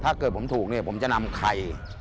ถ้าเกิดผมถูกเนี่ยผมจะนำใคร